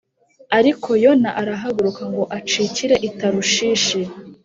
Ariko Yona arahaguruka ngo acikire i Tarushishi